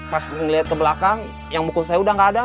pas ngeliat ke belakang yang mukul saya udah gak ada